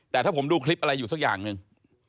แต่ถ้าผมดูคลิปอะไรอยู่สักอย่างหนึ่ง